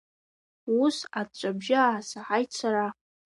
Ус аҵәҵәа абжьы аасаҳаит сара.